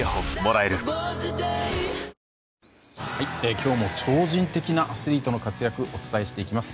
今日も超人的なアスリートの活躍をお伝えしていきます。